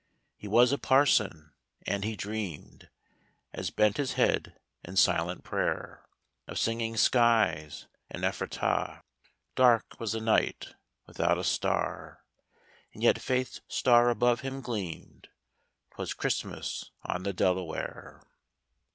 He was a parson, and he dreamed As bent his head in silent prayer. Of singing skies and Ephrata ; Dark was the night without a star. And yet faith's star above him gleamed — 'Twas Christmas on the Delaware.